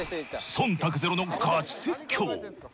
そんたくゼロのガチ説教。